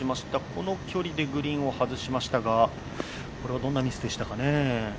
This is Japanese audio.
この距離でグリーンを外しましたがこれはどんなミスでしたかね。